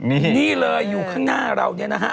นี่นี่เลยอยู่ข้างหน้าเราเนี่ยนะฮะ